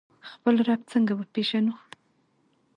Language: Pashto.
خپل رب څنګه وپیژنو؟